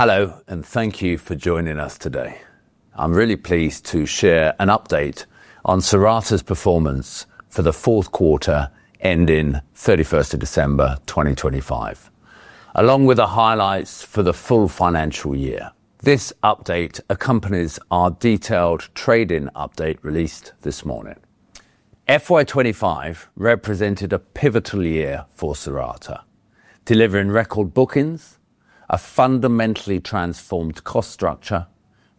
Hello, and thank you for joining us today. I'm really pleased to share an update on Cirata's performance for the fourth quarter ending 31st December 2025, along with the highlights for the full financial year. This update accompanies our detailed trading update released this morning. FY 2025 represented a pivotal year for Cirata, delivering record bookings, a fundamentally transformed cost structure,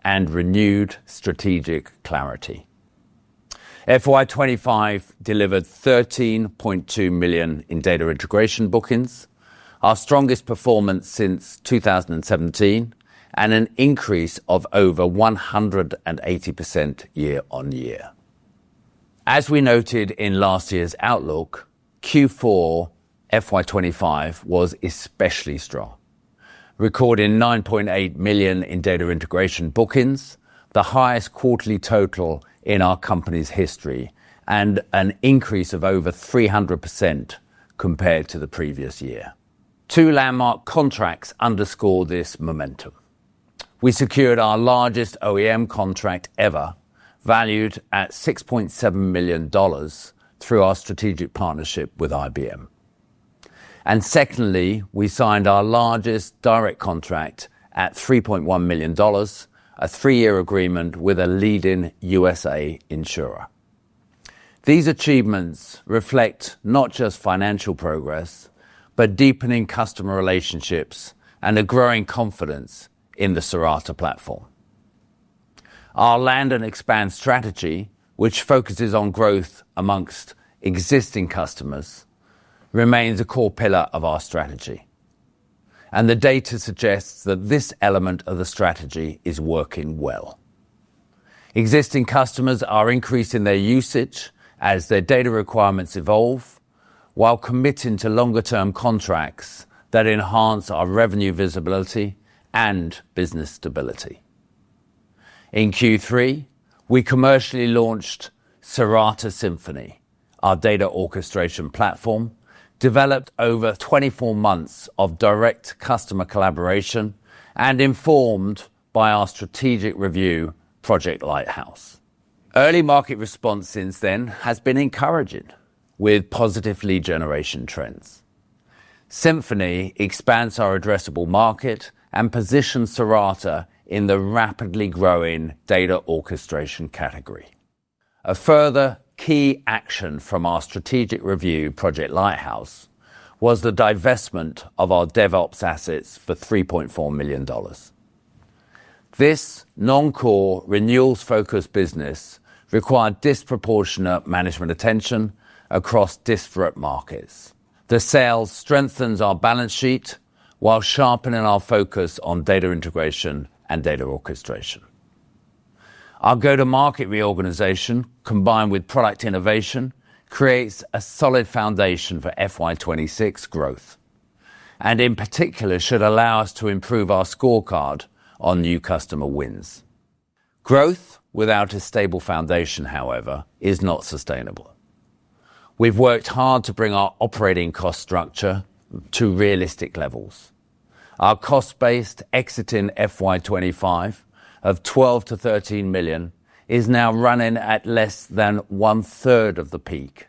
and renewed strategic clarity. FY 2025 delivered $13.2 million in data integration bookings, our strongest performance since 2017, and an increase of over 180% year-on-year. As we noted in last year's outlook, Q4 FY 2025 was especially strong, recording $9.8 million in data integration bookings, the highest quarterly total in our company's history, and an increase of over 300% compared to the previous year. Two landmark contracts underscore this momentum. We secured our largest OEM contract ever, valued at $6.7 million, through our strategic partnership with IBM. And secondly, we signed our largest direct contract at $3.1 million, a three-year agreement with a leading United States insurer. These achievements reflect not just financial progress, but deepening customer relationships and a growing confidence in the Cirata platform. Our land and expand strategy, which focuses on growth among existing customers, remains a core pillar of our strategy, and the data suggests that this element of the strategy is working well. Existing customers are increasing their usage as their data requirements evolve, while committing to longer-term contracts that enhance our revenue visibility and business stability. In Q3, we commercially launched Cirata Symphony, our data orchestration platform, developed over 24 months of direct customer collaboration, and informed by our strategic review, Project Lighthouse. Early market response since then has been encouraging, with positive lead generation trends. Symphony expands our addressable market and positions Cirata in the rapidly growing data orchestration category. A further key action from our strategic review, Project Lighthouse, was the divestment of our DevOps assets for $3.4 million. This non-core, renewals-focused business required disproportionate management attention across disparate markets. The sales strengthened our balance sheet while sharpening our focus on data integration and data orchestration. Our go-to-market reorganization, combined with product innovation, creates a solid foundation for FY 2026 growth, and in particular should allow us to improve our scorecard on new customer wins. Growth without a stable foundation, however, is not sustainable. We've worked hard to bring our operating cost structure to realistic levels. Our cost base exit in FY 2025 of $12 million-$13 million is now running at less than one-third of the peak,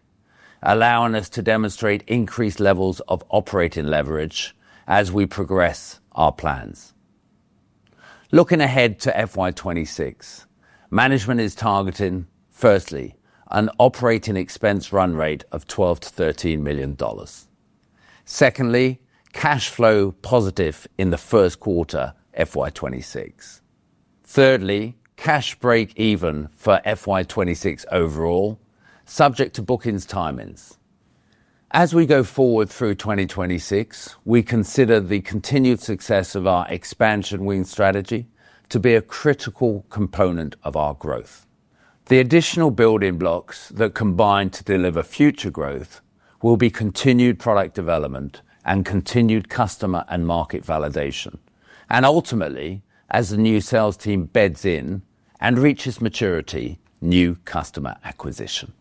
allowing us to demonstrate increased levels of operating leverage as we progress our plans. Looking ahead to FY 2026, management is targeting, firstly, an operating expense run rate of $12 million-$13 million. Secondly, cash flow positive in the first quarter FY 2026. Thirdly, cash break-even for FY 2026 overall, subject to bookings timings. As we go forward through 2026, we consider the continued success of our expansion win strategy to be a critical component of our growth. The additional building blocks that combine to deliver future growth will be continued product development and continued customer and market validation, and ultimately, as the new sales team beds in and reaches maturity, new customer acquisition.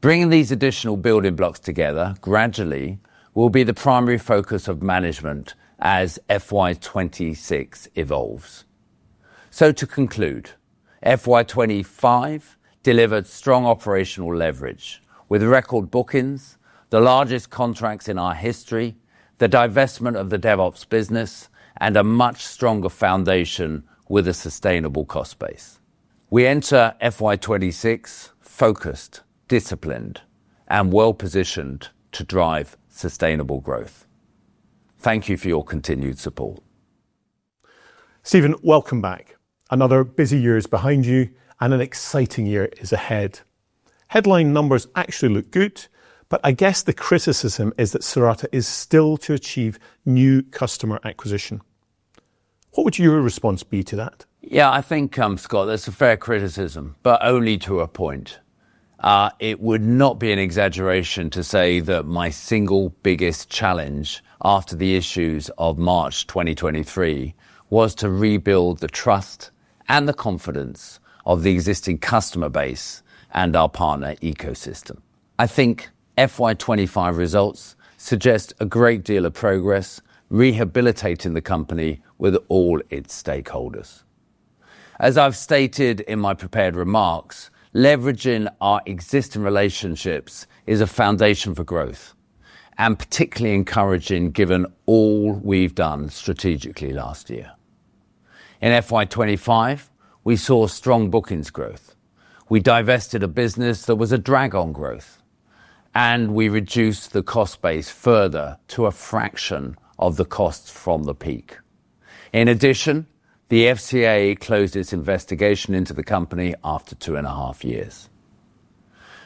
Bringing these additional building blocks together gradually will be the primary focus of management as FY 2026 evolves. So, to conclude, FY 2025 delivered strong operational leverage with record bookings, the largest contracts in our history, the divestment of the DevOps business, and a much stronger foundation with a sustainable cost base. We enter FY 2026 focused, disciplined, and well-positioned to drive sustainable growth. Thank you for your continued support. Stephen, welcome back. Another busy year is behind you, and an exciting year is ahead. Headline numbers actually look good, but I guess the criticism is that Cirata is still to achieve new customer acquisition. What would your response be to that? Yeah, I think, Scott, that's a fair criticism, but only to a point. It would not be an exaggeration to say that my single biggest challenge after the issues of March 2023 was to rebuild the trust and the confidence of the existing customer base and our partner ecosystem. I think FY 2025 results suggest a great deal of progress, rehabilitating the company with all its stakeholders. As I've stated in my prepared remarks, leveraging our existing relationships is a foundation for growth, and particularly encouraging given all we've done strategically last year. In FY 2025, we saw strong bookings growth. We divested a business that was a drag on growth, and we reduced the cost base further to a fraction of the costs from the peak. In addition, the FCA closed its investigation into the company after two and a half years.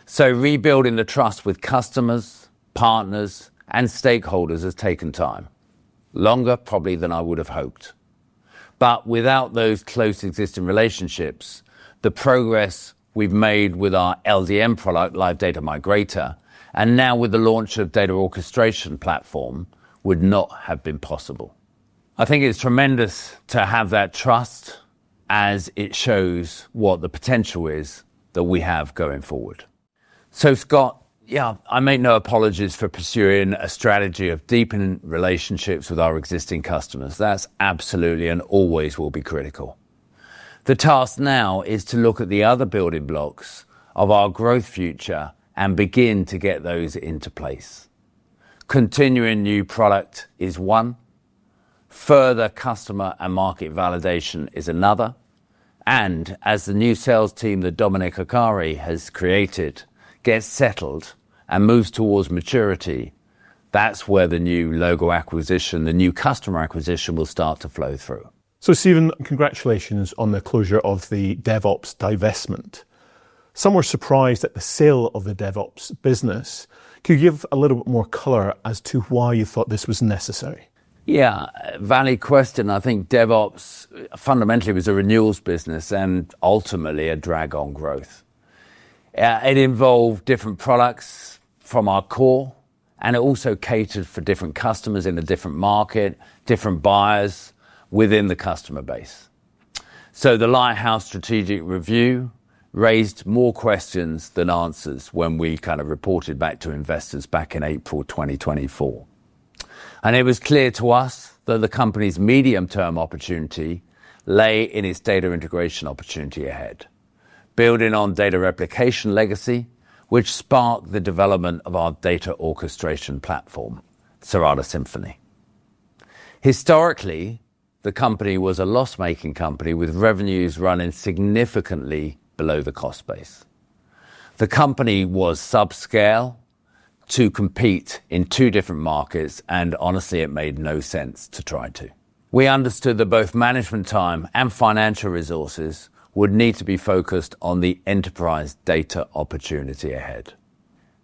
So, rebuilding the trust with customers, partners, and stakeholders has taken time, longer probably than I would have hoped. But without those close existing relationships, the progress we've made with our LDM product, Live Data Migrator, and now with the launch of the data orchestration platform would not have been possible. I think it's tremendous to have that trust as it shows what the potential is that we have going forward. So, Scott, yeah, I make no apologies for pursuing a strategy of deepening relationships with our existing customers. That's absolutely and always will be critical. The task now is to look at the other building blocks of our growth future and begin to get those into place. Continuing new product is one. Further customer and market validation is another. As the new sales team that Dominic Arcari has created gets settled and moves towards maturity, that's where the new logo acquisition, the new customer acquisition will start to flow through. So, Stephen, congratulations on the closure of the DevOps divestment. Some were surprised at the sale of the DevOps business. Could you give a little bit more color as to why you thought this was necessary? Yeah, valid question. I think DevOps fundamentally was a renewals business and ultimately a drag on growth. It involved different products from our core, and it also catered for different customers in a different market, different buyers within the customer base. So, the Lighthouse strategic review raised more questions than answers when we kind of reported back to investors back in April 2024. And it was clear to us that the company's medium-term opportunity lay in its data integration opportunity ahead, building on data replication legacy, which sparked the development of our data orchestration platform, Cirata Symphony. Historically, the company was a loss-making company with revenues running significantly below the cost base. The company was subscale to compete in two different markets, and honestly, it made no sense to try to. We understood that both management time and financial resources would need to be focused on the enterprise data opportunity ahead.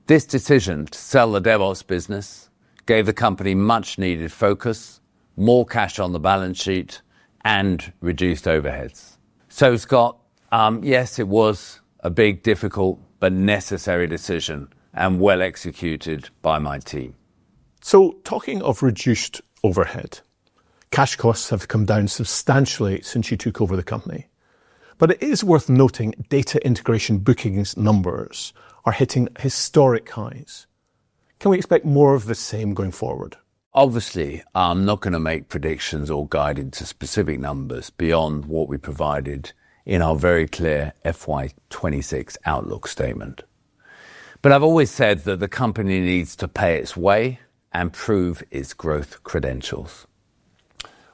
This decision to sell the DevOps business gave the company much-needed focus, more cash on the balance sheet, and reduced overheads. So, Scott, yes, it was a big, difficult, but necessary decision and well-executed by my team. Talking of reduced overhead, cash costs have come down substantially since you took over the company. But it is worth noting data integration bookings numbers are hitting historic highs. Can we expect more of the same going forward? Obviously, I'm not going to make predictions or guide into specific numbers beyond what we provided in our very clear FY 2026 outlook statement. But I've always said that the company needs to pay its way and prove its growth credentials.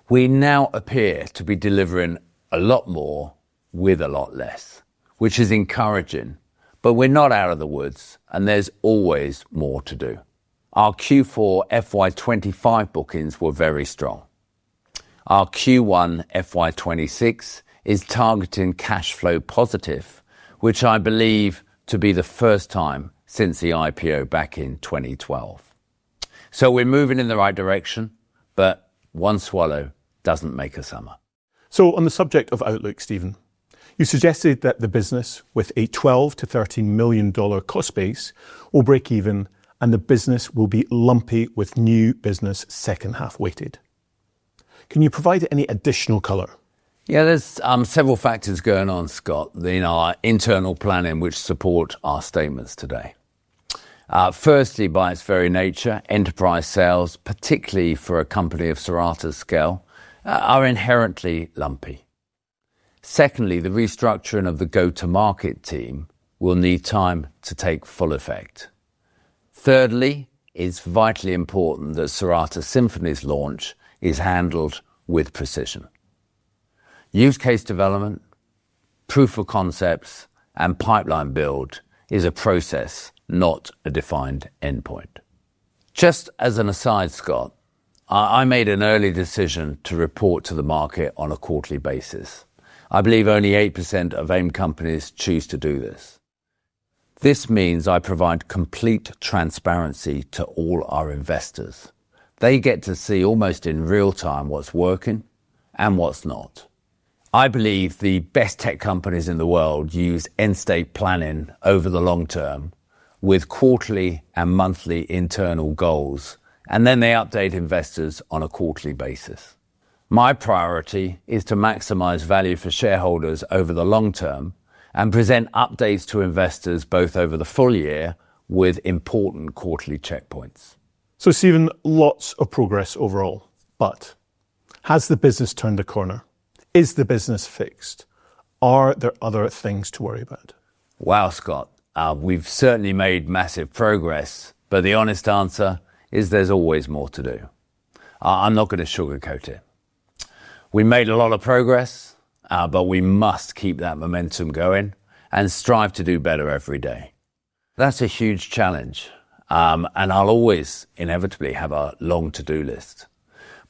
We now appear to be delivering a lot more with a lot less, which is encouraging, but we're not out of the woods, and there's always more to do. Our Q4 FY 2025 bookings were very strong. Our Q1 FY 2026 is targeting cash flow positive, which I believe to be the first time since the IPO back in 2012. So, we're moving in the right direction, but one swallow doesn't make a summer. So, on the subject of outlook, Stephen, you suggested that the business with a $12 million-$13 million cost base will break even and the business will be lumpy with new business second half weighted. Can you provide any additional color? Yeah, there's several factors going on, Scott, in our internal planning which support our statements today. Firstly, by its very nature, enterprise sales, particularly for a company of Cirata scale, are inherently lumpy. Secondly, the restructuring of the go-to-market team will need time to take full effect. Thirdly, it's vitally important that Cirata Symphony's launch is handled with precision. Use case development, proof of concepts, and pipeline build is a process, not a defined endpoint. Just as an aside, Scott, I made an early decision to report to the market on a quarterly basis. I believe only 8% of AIM companies choose to do this. This means I provide complete transparency to all our investors. They get to see almost in real time what's working and what's not. I believe the best tech companies in the world use end-state planning over the long term with quarterly and monthly internal goals, and then they update investors on a quarterly basis. My priority is to maximize value for shareholders over the long term and present updates to investors both over the full year with important quarterly checkpoints. So, Stephen, lots of progress overall, but has the business turned a corner? Is the business fixed? Are there other things to worry about? Wow, Scott, we've certainly made massive progress, but the honest answer is there's always more to do. I'm not going to sugarcoat it. We made a lot of progress, but we must keep that momentum going and strive to do better every day. That's a huge challenge, and I'll always inevitably have a long to-do list.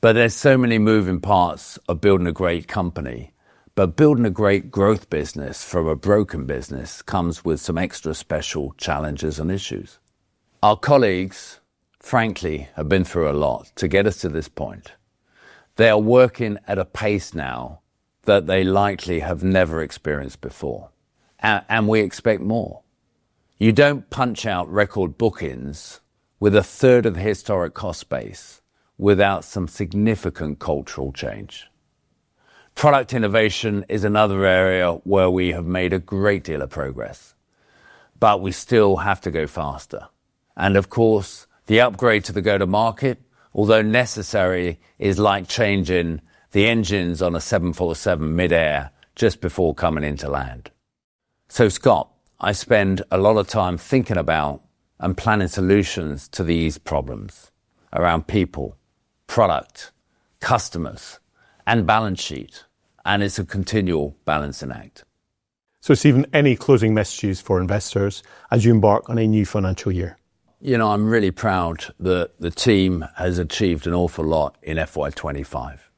But there's so many moving parts of building a great company, but building a great growth business from a broken business comes with some extra special challenges and issues. Our colleagues, frankly, have been through a lot to get us to this point. They are working at a pace now that they likely have never experienced before, and we expect more. You don't punch out record bookings with a third of the historic cost base without some significant cultural change. Product innovation is another area where we have made a great deal of progress, but we still have to go faster, and of course, the upgrade to the go-to-market, although necessary, is like changing the engines on a 747 mid-air just before coming into land, so, Scott, I spend a lot of time thinking about and planning solutions to these problems around people, product, customers, and balance sheet, and it's a continual balancing act. So, Stephen, any closing messages for investors as you embark on a new financial year? You know, I'm really proud that the team has achieved an awful lot in FY 2025.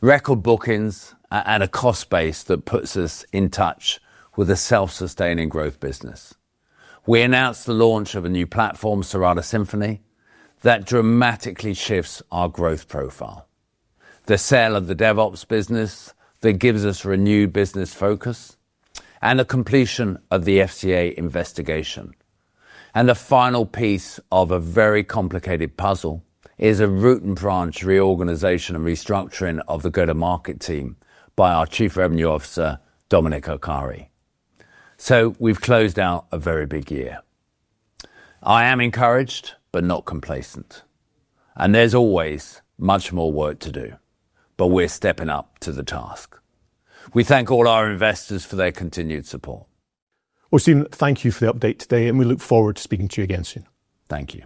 Record bookings at a cost base that puts us in touch with a self-sustaining growth business. We announced the launch of a new platform, Cirata Symphony, that dramatically shifts our growth profile. The sale of the DevOps business that gives us renewed business focus and the completion of the FCA investigation. And the final piece of a very complicated puzzle is a root and branch reorganization and restructuring of the go-to-market team by our Chief Revenue Officer, Dominic Arcari. So, we've closed out a very big year. I am encouraged, but not complacent. And there's always much more work to do, but we're stepping up to the task. We thank all our investors for their continued support. Stephen, thank you for the update today, and we look forward to speaking to you again soon. Thank you.